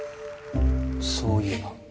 そういえば。